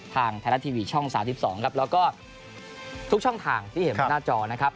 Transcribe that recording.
ทางไทยรัฐทีวีช่อง๓๒ครับแล้วก็ทุกช่องทางที่เห็นบนหน้าจอนะครับ